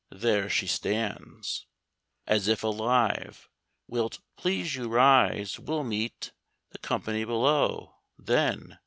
There she stands As if alive. Will't please you rise? We'll meet The company below, then.